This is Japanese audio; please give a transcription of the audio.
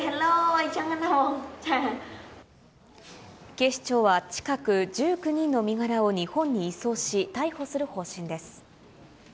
警視庁は近く、１９人の身柄を日本に移送し、逮捕する方針です。